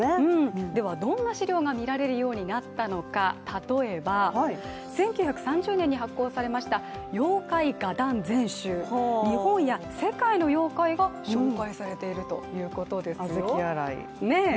ではどんな資料が見られるようになったのか、例えば１９３０年に発行されました「妖怪画談全集」日本や世界の妖怪が紹介されているということで小豆洗い。